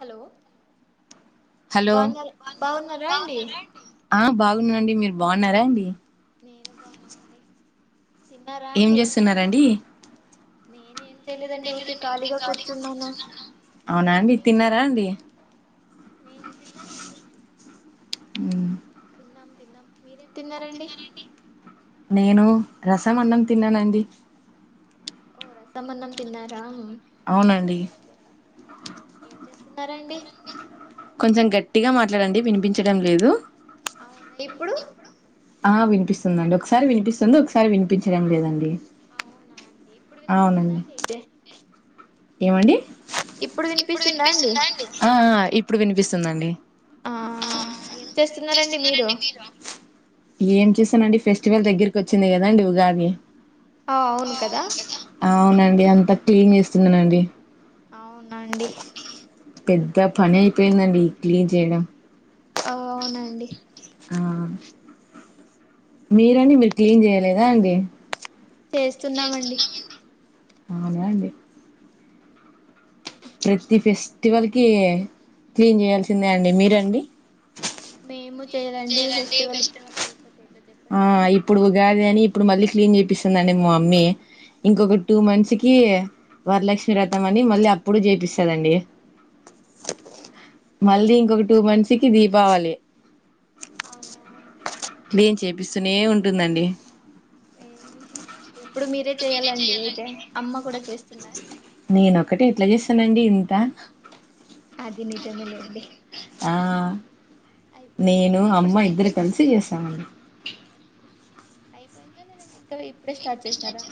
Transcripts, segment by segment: Hello hello బాగున్నారా బాగున్నారా అండి ఆ బాగున్నానండి మీరు బాగున్నారా అండి నేను బావున్నానండి ఏం చేస్తున్నా ర్ అండి నేనే ఏం చెయలేదం అండి ఊరికే ఖాళీగా కూర్చున్నాను అవునా అండి మీరు తిన్నారా అండి నేను తిన్నానండి అ తిన్నాం తిన్నాం మీరేం తిన్నారండి నేను రసం అన్నం తిన్నానండి ఓ రసమ్ అన్నం తిన్నారా అవునండి ఓకే ఏం చేస్తున్నారాండి కొంచెం గట్టిగా మాట్లాడండి వినిపించడం లేదు అవును ఇప్పుడు ఆ వినిపిస్తుందిండి ఒకసారి వినిపిస్తుంది ఒకసారి వినిపించడం లేదండి అవునా అండి ఇప్పుడు వినిపిస్తుందా అవునండి అండి ఏమండి ఇప్పుడు వినిపిస్తుందా అండి ఆ ఆ, ఇప్పుడు వినిపిస్తుందండి ఆ చేస్తున్నరాఅండి మీరు ఏం చూసానండి ఫెస్టివల్ దగ్గరకి వచ్చింది కదాండి ఉగాది ఆ అవును కదా అవునండి అంతా క్లీన్ చేస్తుందినండి అవునండి పెద్ద ఆ పని అయిపోయిందండి ఇ క్లీన్ చేయడం అవునండి ఆ మీరండి మీరు క్లీన్ చేయలేదా అండి చేస్తున్నామండి అవునే అండి ప్రతి ఫెస్టివల్ కి క్లీన్ చేయాల్సిందే అండి మీరండి మేము త్ చేయాలండి ఫెస్టివల్ ఆ చెప్పండి ఇప్పుడు ఉగాది అని ఇప్పుడు మల్ ళ్ళ క్లీన్ చేపిస్తుందండి మా మమ్మీ ఇంకొక టూ మంత్స్ కి వరలక్ష్మి వతం అండి మళ్ళీ అప్పుడు చేపిస్తందండి మళ్ళీ ఇంకొక టూ మంత్స్ కి దీపావళి అవునా అవు ఏముంటుందండి ఎం మేది ఎప్ ఇప్పుడు మీరే చెయ్యాలండి అయితే అమ్మ కూడా చేస్తుందా అండి నేనొక్కటి ఎట్లా చేస్తానండి ఇంత అది నిజమే లే అండి ఆ నేను ఇంకా ఇప్పుడు అమ్మ స్టార్ట్ ఇద్దరు చేసినారా కలిసి చేసానని అయిపోయిందా లేదండి ఇంకా ఇప్పుడే స్టార్ట్ చేసినారా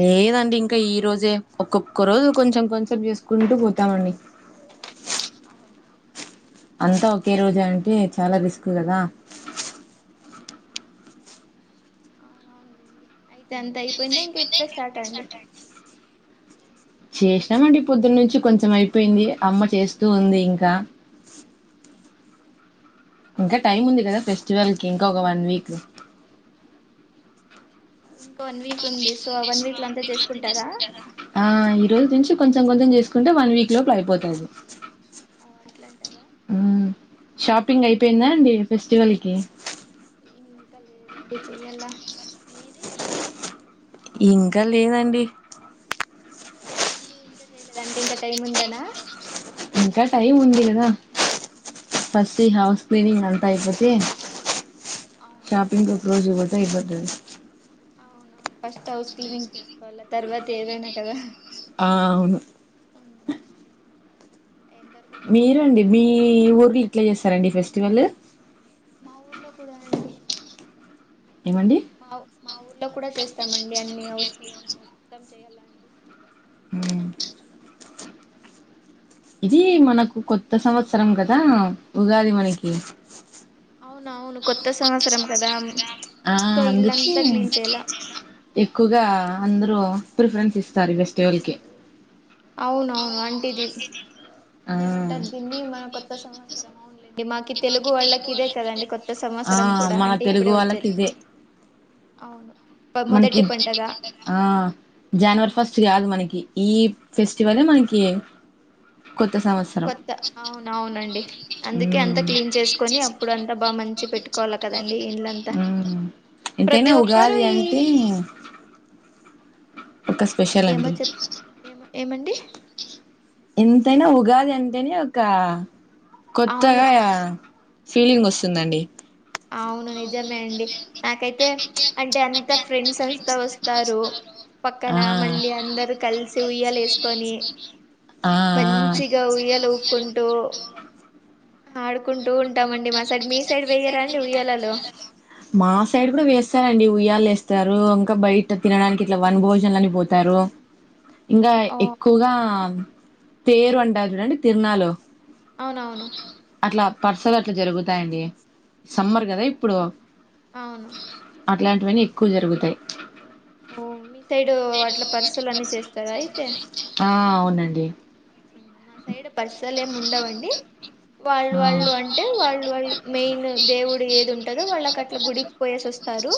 లేదండి ఇంకా ఈ రోజే ఒక్కొక్క రోజు కొంచెం కొంచెం చేసుకుంటూ పోతామండి హా అంతా ఒకే రోజు అంటే చాలా రిస్క్ కదా అవున అవునులేండి అయితే అంత అయిపోయిందో ఇంకా ఇప్పుడే స్టార్ట్ అండి చేసినామండి పొద్దున్న నుంచి కొంచెం అయిపోయింది అమ్మ చేస్తూ ఉంది ఇంకా ఇంకా అవునా టైమ్ ఉంది కదా ఫెస్టివల్ కి ఇంకా ఒక వన్ వీక్ ఇంకా వన్ వీక్ ఉంది సో వన్ వీక్ లో అంత చేసుకుంటారా ఆ ఈ రోజు నుంచి కొంచెం కొంచెం చేసుకుంటే వన్ వీక్ లోపల అయిపోతంది అ ఎట్లంటారా ప్పింగ్ అయిపోయిందా అండి ఫెస్టివల్ కి ఇంకా లేదండి చెయ్యాల మీది ఇంకా లేదండి ఏ అండి ఇంకా చెయలేదు అంటే ఇంకా టైం ఉందానా ఇంకా టైమ్ ఉంది కదా ఫస్ట్ హౌస్ క్లీనింగ్ అంతా అయిపోతి అవునండి ఫస్ట్ అయిపోతది అవునవును ఫస్ట్ హౌస్ క్లీనింగ్ చేసుకోవాలి తర్వాత ఏదైనా కదా ఆ అవును ఎంతవరకు వచ్చింది మీరుండి అయితే మీ ఊరికి ఇట్లా చేస్తారండి ఫెస్ట్ ఇటీవళ మా ఊర్లో కూడా అండి ఏమండి మా మా ఊర్లో కూడా చేస్తామండి అన్ని హౌ క్లీనింగ్ మొత్తం చెయ్యాలండి హ ఇది మనకు కొ కొత సంవత్సరం కదా ఉగాది మనకి అవున అవును కొత్త సంవత్సరం కదా ఆ సో అందుకి ఇల్లంతా క్లీన్ చేయాల ఎక్కువగా అందరు ప్రిఫరెన్స్ ఇస్తారు ఫెస్టివల్ కి అవునవును అంటేది ఆ ఏమంటారు దీన్ని మన కొత్త సమ స్తరం అ మాకు తెలుగు వాళ్ళకి ఇదే కదండి కొత్త ఆ సంవత్సరం కూడా మన అంటే తెలుగు ఇప్పుడే వాళ్ళకి వచ్చేది ఇదే అవును మనకి మొదటి పండగ ఆ జనవరి ఉమ్ ఫస్ట్ కాదు మనకి ఈ ఫెస్టివలే మనకి కొత్త సంవత్సరం కొత్త అవును అవునండి అందుకే ఉమ్ అంతా క్లీన్ చేసుకొని అప్పుడు అంతా బాగా మంచి వంచి పెట్టుకోల కదా ఉమ్ ఎంతైనా ఒక్కరు ఉగాది ఈ అంటే ఒక స్పెషల్ ఏమో అండి చెప్ ఏమ ఏమండి ఎంతైనా ఉగాది అ ఎంతనే ఒక కొత్త అవును ఫీలింగ్ వస్తుందండి అవును నిజమే అండి నాకైతే అంటే అ త్యా ఫ్రెండ్స్ అంతా వస్తారు ఆ పక్కన మళ్ళీ అందరూ కలిసి ఉయ్యాల వేసుకొని ఆ ఆ మంచిగా ఉయ్యలు ఊపుకుంటూ ఆడుకుం టూ ఉంటామండి మా సైడ్ మీ సైడ్ వేయ్యరా అ మా సైడ్ కూడా వేస్తారండి ఉయ్యాలు వేస్తారు ఇంకా బయట తినడానికి ఇట్లా వన భోజనాలు అని పోతారు ఇంకా ఓ ఎక్కువగా పేరు అంటారు చూడండి తిరునాలు అవునవును అస్సలు అట్లా జరుగుతాయండి సమ్మర్ కదా ఇప్పుడు అవును అ ఇలాంటివన్నీ ఎక్కువ జరుగుతాయి ఓ మీ సైడ్ వాట్ల పర్సులు అన్నీ చేస్తారా అయితే ఆ అవునండి మా సైడ్ పర్సల్ ఏమి ఉండవండి వాళ్ళు ఆ వాళ్ళు అంటే వాళ్ళు వాళ్ళు మెయిన్ దేవుడు ఏది ఉంటందో వాళ్ళకి అట్లా గుడికి పోయేసి వస్తారు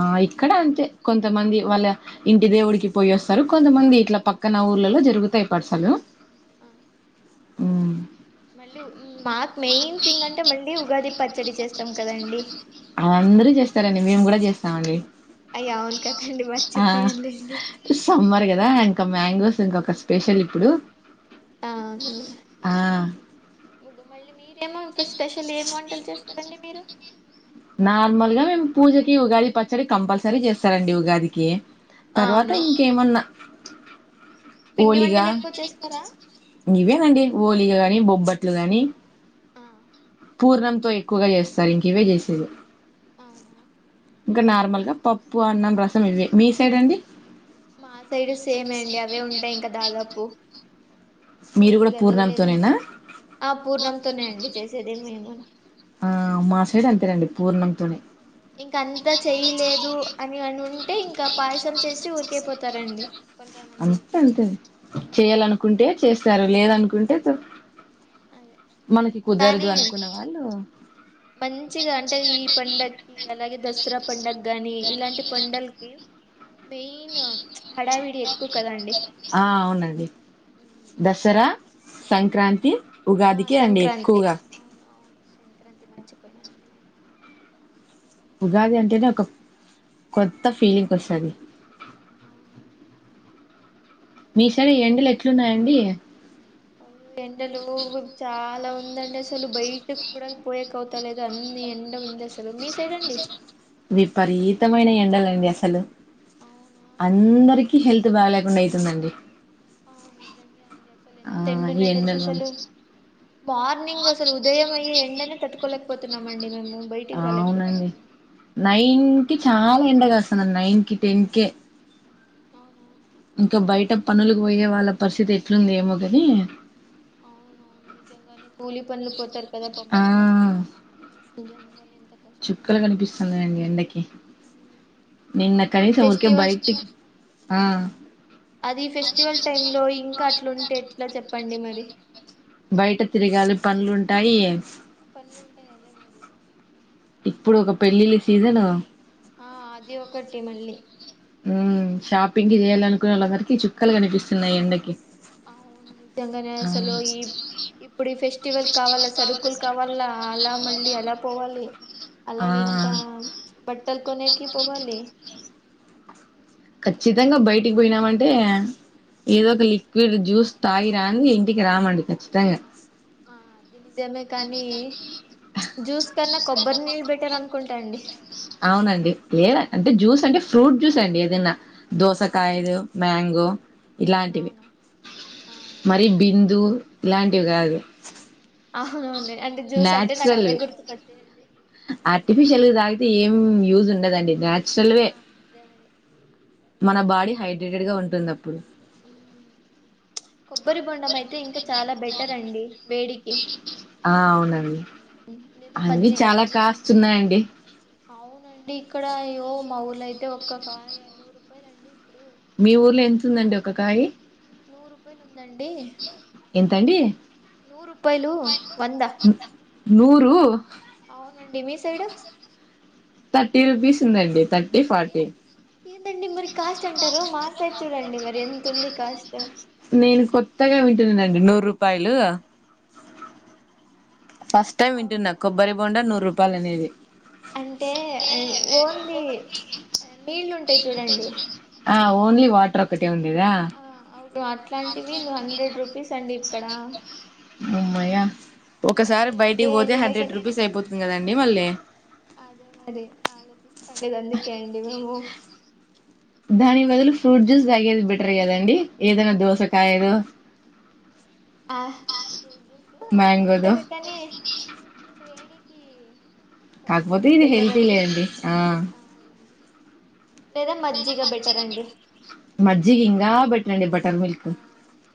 ఆ ఇక్కడ అంతే కొంతమంది వాళ్ళ ఇంటి దేవుడికి పోయి వస్తారు కొంతమంది ఇట్లా పక్కన ఊర్లలో జరుగుతాయి పర్సాలు ఉమ్ ఉమ్ మళ్ళీ మాకు మెయిన్ థింగ్ అంటే మళ్ళీ ఉగాది పచ్చడి చేస్తాం కదండి అందరూ చేస్తారండి. మేము కూడా చేస్తామ్ అండి అయ్య అవును కదండి ఆ మర్చిపోయానులేండి సమ్మర్ కదా ఇంకా మ్యాంగోస్ ఇంకొక స్పెషల్ ఇప్పుడు అ అవును అవునులే ఆ! ఇంగ మళ్ళీ మీరేమో స్పె స్పెషల్ ఏం వం టలు చేస్తారండి మీరు నార్మల్ గా మేము పూజకి ఉగాది పచ్చడి కంపల్సరీ చేస్తారండి ఉగాదికి ఆ తర్వాత అవును ఇంకేమన్నా పిండి ఓలిగా వంటలు ఎక్కువ చేస్తారా ఇవేనండి ఓలిగ గాని బొబ్ బట్లు గాని ఆ పూర్ణం తో ఎక్కువగా చేస్తారు ఇంక ఇవే చేసేది అవునా ఇంకా నార్మల్గా పప్పు అన్నం రసం ఇవే మీ సైడ్ అండి మా సైడ్ సేమ్ అండి అవే ఉంటాయి ఇంకా దాదాపు మీరు కూడా ఓలిగలు లేదని పూర్ణంతోనేనా ఆ పూర్ణంతోనే అండి చేసే ది మేము కూడా ఆ మా సైడ్ అంతేనండి పూర్ణంతోనే ఇంక అంతా చెయలేదు అని అని ఉంటే ఇంకా పాయసం చేసి ఊరికైపోతారండి కొంతమంది అంతా అంతే చేయ్యాలనుకుంటే చేస్ సర లేదనుకుంటే అదే మనకి కుదరదు కానీ అనుకున్న వాళ్ళు మంచిగా అంటే ఈ పండగకి అలాగే దసరా పండుగ గాని ఇలాంటి పండలకి మెయిన్ హడావిడి ఎక్కువ కదా అండి ఆ అవునండి దసరా సంక్రాంతి ఆ ఉగాదికి అండి సంక్రాంతి ఎక్కువగా అవును అవును సంక్రాంతి మర్చిపోయినానండి ఉగాది అంటేనే ఒక కొత్త ఫీలింగ్ వస్తుంది అవును మీసారి ఎం లక్షం న్నాయండి అ ఎండలు చాలా ఉందండి అసలు బయట కూడా పోయక అవుతా లేదు అన్ని ఎండ ఉంది అసలు మీ సైడ్ అండి విపరీతమైన ఎండలండి అసలు అవునా అందరిక హెల్త్ బాగా లేకుండా అవుతుందండి ఆ నిజంగా అండి అసలు ఎంత ఎండు ఈ ఉన్నాయో తెలుసు ఎండలు అసలు మార్నింగ్ అసలు ఉదయం అయ్యే ఎండనే పెట్టుకోలేకపోతున్నామండి మేము బయటికి అవునండి రాలేకపోతున్నాము నైన్ అట్లెండ కి చాలా ఎండగాస్త త నైన్ కి టెన్ కె అవునా ఇంకా బయట పనులకు వోయే వాళ్ళ పరిస్థితి ఎట్లుందేమో గాని అవునవును నిజంగానే కూలీ పనులు పోతరు ఆ కదాపము నిజంగా చుక్కలు కనిపిస్తుంది అండి ఎండకి ఉమ్. నిన్న ఈ కనీసం గొసేపు ఫెస్టివల్ బయచు ఆ అది ఫెస్టివల్ టైమ్ లో ఇంకా అట్లా ఉంటే ఎట్లా చెప్ ప్పండి మరి బయట తిరగాలి పనులుంటాయి ఆ పనులుంటాయి అదే మరి ఇప్పుడు ఒక పెళ్ళిళ్ల సీసను ఆ అది ఒకటి మళ్ళీ ఊ షాపింగ్ జేయాలనుకున్న వరకి చుప్ క్కలు కనిపిస్తున్నాయి ఎండకి అవును నిజంగానే ఆ అసలు ఈ ఇప్పుడు ఈ ఫెస్టివల్ కావాలా సరుకులు కావాలా, అలా మళ్ళీ అలా పోవాలి, ఆ అలాగే ఇంకా ప్చ్ బట్టలు కొనేకి పోవాలి. సో ఖచ్చితంగా బయటికి బోయినామం టే ఏదో ఒక లిక్విడ్ జ్యూస్ తాగి రాంది ఇంటికి రామండి ఖచ్చితంగా ఆ అది నిజమే కానీ జ్యూస్ కన్నా కొబ్బరి నీళ్ళు బెటర్ అనుకుంటా అండి అవునండి లేదా ఆ అంటే జ్యూస్ అంటే ఫ్రూట్ జూస్ అండి ఎదన్న అవును దోసకాయదో మాంగో ఇలాంటివి అవును ఆ మరి బిందు ఇలాంటివి గాదు అవునవును లే న్యాచురల్ ఆర్టిఫిషిల్ ఇ దాగి ఏం యూజ్ ఉండదండి మ్యా ఆ సెలవే అదే మరి మన బాడీ హైడ్రేటెడ్ గా ఉంటుందప్ ఊమ్ కొబ్బరి బొండం అయితే ఇంకా చాలా బెటర్ రండి వేడికి ఆ! అవునండి. ఊమ్ లేదా అవి మజ్జిగా చాలా లేదంటే కాస్తున్నాయండి. అవునండి అక్కడ అయ్యో మా ఊర్లయితే ఒక్క కాయ నూరు రూపాయల అండి. ఇప్పుడు మీ ఊర్లో ఎంతుందండొ క్కకాయ్ నూరు రూపాయలు ఉందండి ఎంతండి? నూరు రూపాయలు వంద ను నూరు అవునండి మీ సైడు త్రీ రూపీస్ ఉందండి తట్ ఏ ఏంటండి మరి కాస్ట్ అంటారు మా సైడ్ చూడండి మరి ఎంత ఉంది కాస్ట్ నేను కొత్తగా వింటున్నానండి నూరు రూపాయలు ఫస్ట్ టైమ్ అవును వింటున్నా కొబ్బరి బోన్ నూరు ప్పాలనేది అంటే ఓన్లీ నీళ్ళుంటాయి చూడండి ఆ ఓన్లీ వాటర్ ఒకటీ ఆ అవును అట్లాంటివి నువ్వు హండ్రెడ్ రూపీస్ అండి ఎక్కడ హమ్మయ్య ఒకసారి చేయాలండి బయటికి పోతే నేను హండ్రెడ్ అసలు రూపీస్ అయిపోతుంది కదండి మళ్ళీ అంటేకదికాంటి కుడా పోమ్ దాని బదులు ఫ్రూట్ జూస్ తాగేది బెట్ కదండి ఏదైనా దోశ కాయలో ఆ ఫ్రూట్ జ్యూస్ అది మ్యాంగోదో బెటర్ కానీ వేడికి కొంచెం కాకపోతే ఇది బెటర్ హెల్తీ అనిపిస్తుంది లేండి ఆ అవునండి లేదా మజ్జిగ బెటర్ అండి మజ్జిగ ఇంకా దానికన్నా బెటర్ అండి బటర్ మిల్క్ ఆ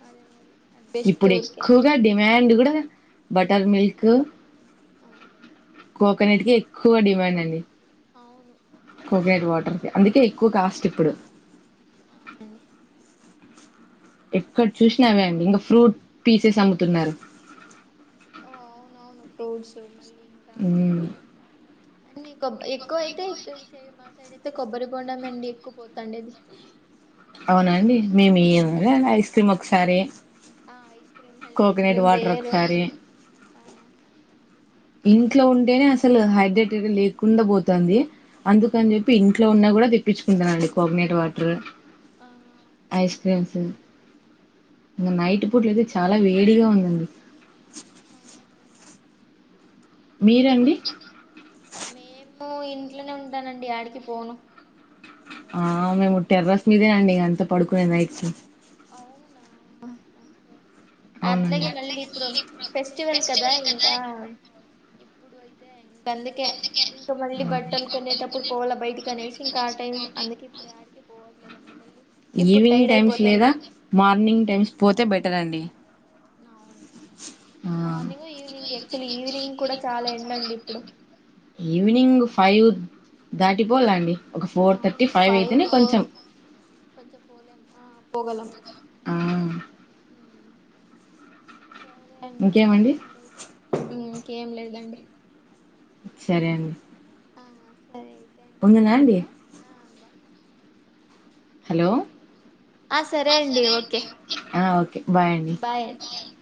అదే మరి బెస్ట్ ఇప్పుడు ఊరికే ఎక్కువగా డిమాండ్ కూడ బటర్ మిల్క్ ఆ కోకోనట్ కి ఎక్కువ డిమాండ్ అండి అవును [unintelligible] అందుకే ఎక్కువ కాస్ట్ ఇప్పుడు అవునండి ఎక్కడ చూసినా అవే అండి ఇంకా ఫ్రూట్ పీసెస్ అమ్ముతున్నారు. ఓ అవునవును ఫ్రూట్స్ మళ్ళి ఇంగ మ్మ్. అన్ని ఎక్కువ అయితే ఇ సైడ్ మా సైడ్ అయితే కొబ్బరి బొండం అండి ఎక్కువ పోతాండేది అవున అండి మేము ఇ ఐస్ క్రీమ్ సరే ఆ ఐస్ క్రీమ్ హళ్ళీ ఐస్ క్రీమ్ రేరు ఒకసారి అవును ఇంట్లో ఉంటేనే అసలు హైడ్రేటెడ్ లేకుండా పోతుంది అందుకని చెప్పి ఇంట్లో ఉన్న కూడా తెప్పించుకుంటానండి కోకోనట్ వాటర్ ఆ ఐస్ బెస్ట్ క్రీమ్స్ లేండి కరెంట్ నైట్ అప్పుట్లయితే చాలా వేడిగా ఉందండి ఆ అండి ఇది మీరండి మేము ఇంట్లోనే ఉంటానండి ఆడికి పోను ఆ మేము టెర్రస్ మీదేనండి ఇ అంత పడుకునే నైట్ అవునా అవునండి అట్లాగే మళ్ళీ ఇప్పుడు ఫెస్టివల్ కదా ఇంకా ఇప్పుడు అయితే అందుకే ఇంకా మళ్ళీ ఆ బట్టలు కొనేటప్పుడు పోవాల బయటకి అనేసి ఇంకా ఆ టైం అందుక ఇప్పుడు ఆడాకి పోవట్లేదండి మళ్ళీ ఇప్పుడు ఈవినింగ్ టైడ్ టైమ్స్ అయిపోతాం లేదా ఇంకా మార్నింగ్ టైమ్స్ పోతే బయ బెటర్ అండి అవును ఆ మార్నింగ్ ఈవినింగ్ యాక్చువల్ ఈవినింగ్ కూడా చాలా ఎండండి ఇప్పుడు ఈవినింగ్ ఫైవ్ దాటిపోలా అండి ఒక ఫోర్ థర్టీ ఫైవ్ అయితేనే కొంచెం కొంచం పోలేము ఆ పోగలము ఆ సరే అండి ఇంకేమండి ఇంకేంటి అండి అయితే ఇంకేం లేదండి సరే అండి ఆహా ఉందున్నాండి హలో ఆ సరే అండి ఓకే ఆ ఓకే అండి బాయ్ అండి